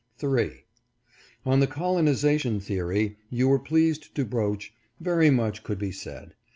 3. On the colonization theory you were pleased to broach, very much could be said.